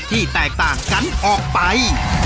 ที่แตกต่างกันออกไป